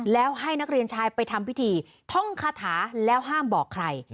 แล้วให้นักเรียนชายไปทำพิธีท่องคาถาแล้วห้ามบอกใคร